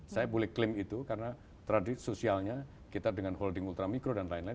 saya boleh klaim itu karena tradisi sosialnya kita dengan holding ultra mikro dan lain lain